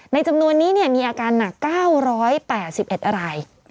จำนวนนี้มีอาการหนัก๙๘๑ราย